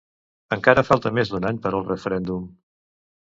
Encara falta més d'un any per al referèndum.